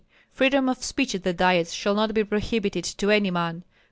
Freedom of speech at the diets shall not be prohibited to any man.